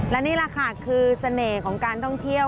และนี่แหละค่ะคือเสน่ห์ของการท่องเที่ยว